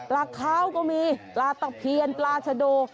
ลากขาวก็มีลากตะเพียนลากชะโด